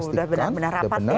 sudah benar benar rapat ya